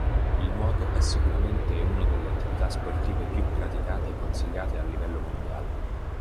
Il nuoto è sicuramente uno delle attività sportive più praticate e consigliate a livello mondiale.